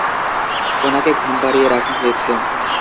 ওনাকে ঘুম পাড়িয়ে রাখা হয়েছে।